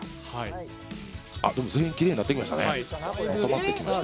全員きれいになってきましたね。